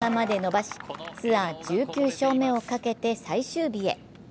この日１４アンダーまで伸ばし、ツアー１９勝目をかけて最終日へ。